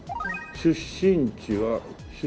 出身地は。